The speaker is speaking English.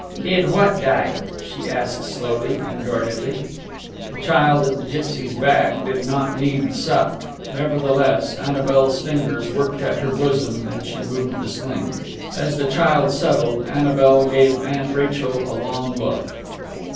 "Did what die?" she asked slowly and guardedly.... The child at the gipsy's back did not need suck; nevertheless, Annabel's fingers worked at her bosom, and she moved the sling. As the child settled, Annabel gave Aunt Rachel a long look.